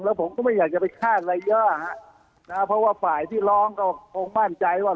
แล้วผมก็ไม่อยากจะไปคาดอะไรเยอะฮะนะเพราะว่าฝ่ายที่ร้องก็คงมั่นใจว่า